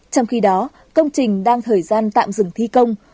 trong khi đó công trình đang thời gian tạm dừng thi công